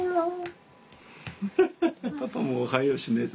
パパもおはようしねえと。